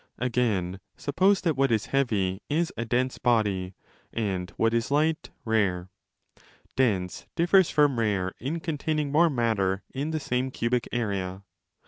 Again, suppose that what is heavy is a dense body, and what is light rare. Dense differs from rare in containing more matter in the same cubic area.